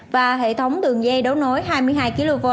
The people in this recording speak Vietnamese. và hệ thống đường dây đấu nối hai mươi hai kv